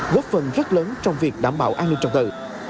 góp phần rất lớn trong việc đảm bảo an ninh trật tự